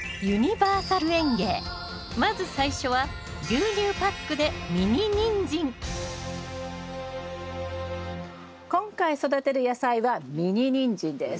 まず最初は今回育てる野菜はミニニンジンです。